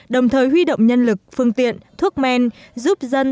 đồng thời huy động nhân lực phương tiện thuốc men giúp dân